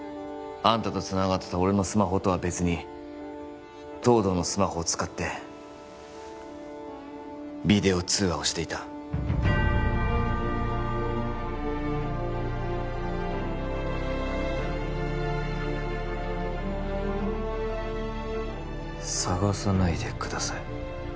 あんたとつながってた俺のスマホとは別に東堂のスマホを使ってビデオ通話をしていた「探さないで下さい」